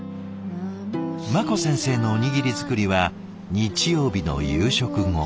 茉子先生のおにぎり作りは日曜日の夕食後。